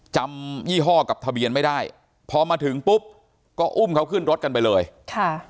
ยี่ห้อกับทะเบียนไม่ได้พอมาถึงปุ๊บก็อุ้มเขาขึ้นรถกันไปเลยค่ะ